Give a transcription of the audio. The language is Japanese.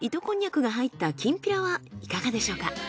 こんにゃくが入ったきんぴらはいかがでしょうか？